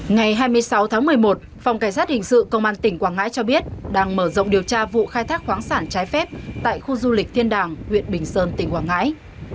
ngày hai mươi sáu tháng một mươi một phòng cảnh sát hình sự công an tỉnh quảng ngãi cho biết đang mở rộng điều tra vụ khai thác khoáng sản trái phép tại khu du lịch thiên đàng huyện bình sơn tỉnh quảng ngãi